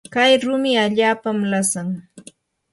kay rumi allaapami lasan.